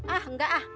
ah enggak ah